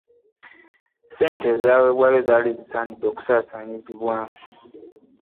Ona ssente ezaaweebwayo zaali zigwanidde okusaasaanyizibwa.